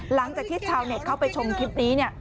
หลังจากที่ชาวเน็ตเข้าไปชมคลิปนี้เนี่ย